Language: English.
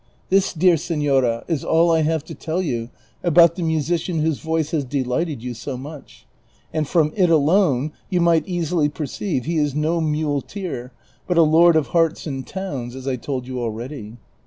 This, dear senora, is all I have to tell you about the musician whose voice has delighted you so much ; and from it alone you might easily perceive he is no muleteer, but a lord of hearts and towns, as I told you already."